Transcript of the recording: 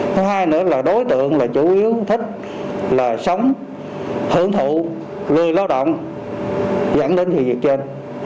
thứ hai nữa là đối tượng là chủ yếu thích là sống hưởng thụ lưu lợi lao động dẫn đến việc trên